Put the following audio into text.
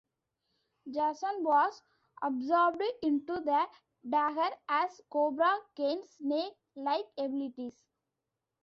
Jason was absorbed into the dagger as Kobra gains snake-like abilities.